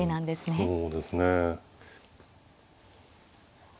そうですね。